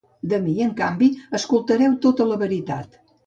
De mi, en canvi, escoltareu tota la veritat.